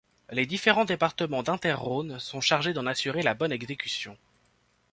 Les différents départements d'Inter Rhône sont chargés d'en assurer la bonne exécution.